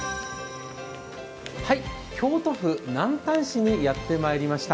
京都府南丹市にやってまいりました。